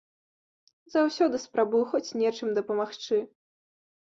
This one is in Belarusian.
Заўсёды спрабую хоць нечым дапамагчы.